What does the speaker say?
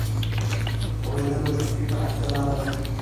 اورېدنه د فکري پراختیا لار ده